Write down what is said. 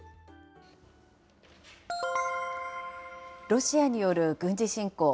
ロシアによる軍事侵攻。